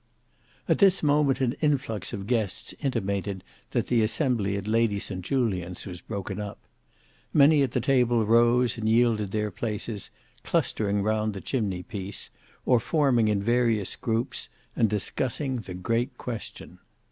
At this moment an influx of guests intimated that the assembly at Lady St Julian's was broken up. Many at the table rose and yielded their places, clustering round the chimney piece, or forming in various groups, and discussing the great question.